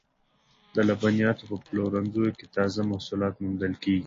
د لبنیاتو په پلورنځیو کې تازه محصولات موندل کیږي.